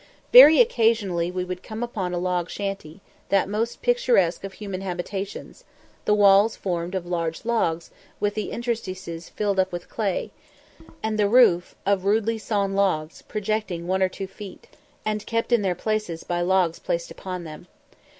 Very occasionally we would come upon a log shanty, that most picturesque of human habitations; the walls formed of large logs, with the interstices filled up with clay, and the roof of rudely sawn boards, projecting one or two feet, and kept in their places by logs placed upon them.